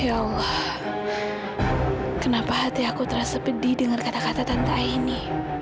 ya allah kenapa hati aku terasa pedih dengan kata kata tentang ini